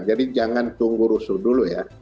jadi jangan tunggu rusuh dulu ya